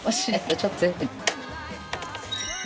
ちょっと。